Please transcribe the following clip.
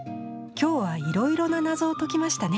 今日はいろいろな謎を解きましたね。